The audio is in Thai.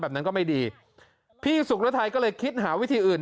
แบบนั้นก็ไม่ดีพี่สุรไทยก็เลยคิดหาวิธีอื่น